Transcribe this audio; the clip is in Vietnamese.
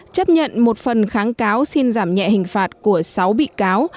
chấp nhận một phần kháng cáo xin giảm nhẹ hình phạt của sáu bị cáo